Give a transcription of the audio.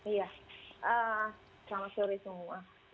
iya selamat sore semua